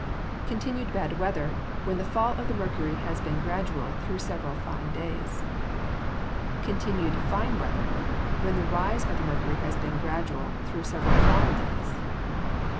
Continued bad weather, when the fall of the mercury has been gradual through several fine days. Continued fine weather, when the rise of the mercury has been gradual through several foul days.